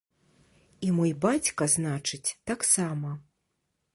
І мой бацька, значыць, таксама.